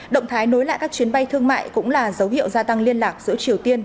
động thái nối lại các chuyến bay thương mại cũng là dấu hiệu gia tăng liên lạc giữa triều tiên